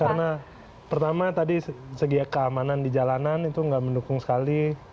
karena pertama tadi segi keamanan di jalanan itu nggak mendukung sekali